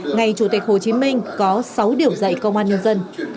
ngày chủ tịch hồ chí minh có sáu điểm dạy công an nhân dân